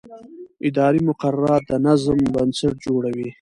اداري مقررات د نظم بنسټ جوړوي.